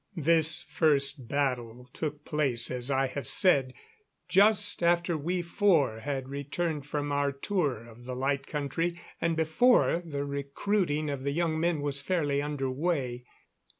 This first battle took place, as I have said, just after we four had returned from our tour of the Light Country, and before the recruiting of the young men was fairly under way.